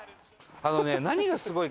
あのね。